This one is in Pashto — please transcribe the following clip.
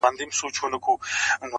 یوه ورځ یې بحث پر خوی او پر عادت سو-